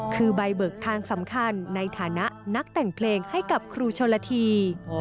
คือใบเบิกทางสำคัญในฐานะนักแต่งเพลงให้กับครูชนละที